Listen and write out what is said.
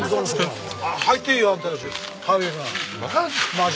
マジ！？